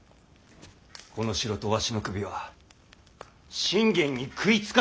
この城とわしの首は信玄に食いつかせる餌じゃ。